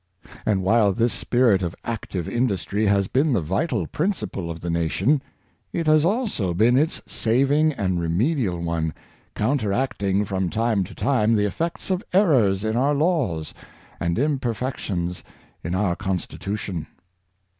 And while this spirit of active industry has been the vital principle oi the nation, it has also been its saving and remedial one, counteracting from time to time the effects of errors in our laws and im perfections in our constitution.